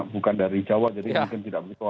bukan dari jawa jadi mungkin tidak begitu